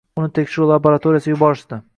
Uni tekshiruv labaratoriyasiga yuborishdi.